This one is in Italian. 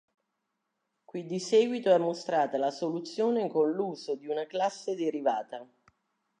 Qui di seguito è mostrata la soluzione con l'uso di una classe derivata.